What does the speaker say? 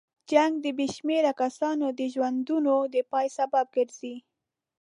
جنګ د بې شمېره کسانو د ژوندونو د پای سبب ګرځي.